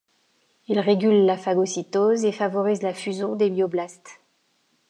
Il régule la phagocytose et favorise la fusion des myoblastes.